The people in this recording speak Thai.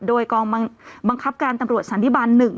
โดยกองบังคับการตำรวจสันติบาล๑